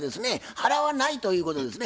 払わないということですね。